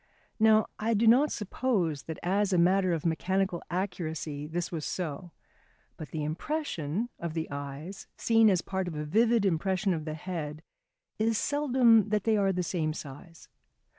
Now I do not suppose that as a matter of mechanical accuracy this was so, but the impression of the eyes seen as part of a vivid impression of the head is seldom that they are the same size.